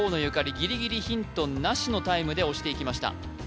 ギリギリヒントなしのタイムで押していきました